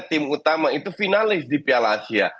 tim utama itu finalis di piala asia